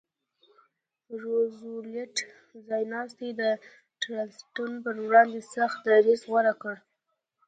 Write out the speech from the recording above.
روزولټ ځایناستي د ټرستانو پر وړاندې سخت دریځ غوره کړ.